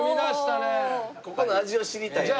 ここの味を知りたいので。